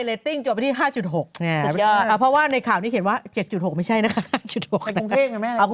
เลตติ้งจบที่๕๖เพราะว่าในข่าวนี้เค็ดว่า๗๖ไม่ใช่นะคะ